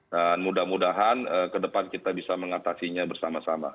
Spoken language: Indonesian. dan mudah mudahan ke depan kita bisa mengatasinya bersama sama